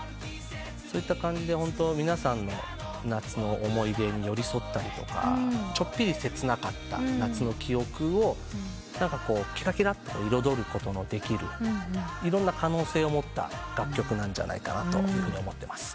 そういった感じで皆さんの夏の思い出に寄り添ったりとかちょっぴり切なかった夏の記憶をきらきらと彩ることのできるいろんな可能性を持った楽曲じゃないかと思ってます。